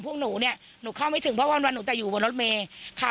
พอไปปุ๊บเขาเข้าไป๒ล้านคนแล้วนะครับ